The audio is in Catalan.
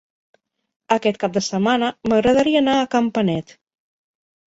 Aquest cap de setmana m'agradaria anar a Campanet.